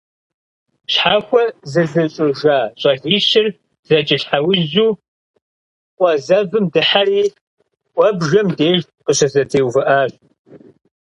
Щхьэхуэ зызыщIыжа щIалищыр зэкIэлъхьэужьу къуэ зэвым дыхьэри «Iуэбжэм» деж къыщызэтеувыIащ.